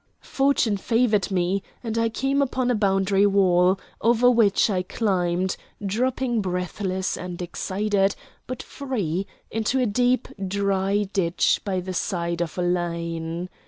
Fortune favored me, and I came upon a boundary wall, over which I climbed, dropping breathless and excited, but free, into a deep, dry ditch by the side of a lane.